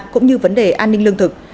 cũng như vấn đề an ninh lương thực